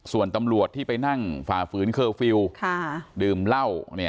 ส่วนตำรวจที่ไปนั่งฝ่าฝืนเคอร์ฟิลล์ดื่มเหล้า